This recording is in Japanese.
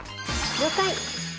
「了解！」